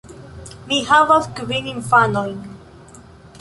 Mi havas kvin infanojn.